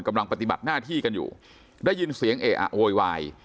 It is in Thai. กำลังปฏิบัติหน้าที่กันอยู่ได้ยินเสียงเออะโวยวาย